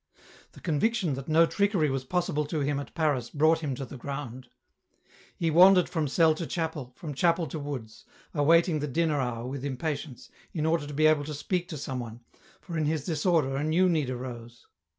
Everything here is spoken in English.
The conviction that no trickery was possible to him at Paris brought him to the ground. He wandered from cell to chapel, from chapel to woods, awaiting the dinner hour with impatience, in order to be able to speak to someone, for in his disorder a new need arose.